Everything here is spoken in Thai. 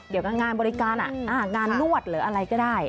เดี๋ยวก็งานบริการงานนวดหรืออะไรก็ได้